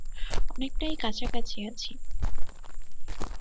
অনেকটাই কাছাকাছি আছি।